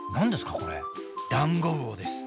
これダンゴウオです。